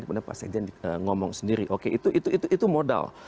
kemudian pak sekjen ngomong sendiri oke itu modal